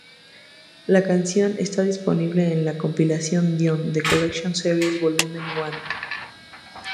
La canción está disponible en la compilación de Dion "The Collector's Series Volume One".